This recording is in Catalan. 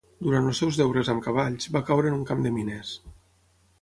Durant els seus deures amb cavalls, va caure en un camp de mines.